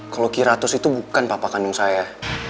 kalau kiraus itu bukan papa kandung saya